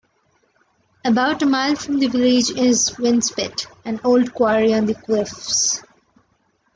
About a mile from the village is Winspit, an old quarry on the cliffs.